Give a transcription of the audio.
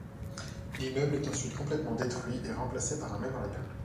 L'immeuble est ensuite complètement détruit et remplacé par un mémorial.